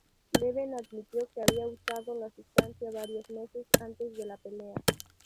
Leben admitió que había usado la sustancia varios meses antes de la pelea.